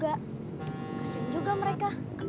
gak sen juga mereka